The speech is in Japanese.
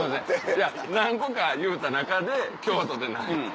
いや何個か言うた中で京都ってなった。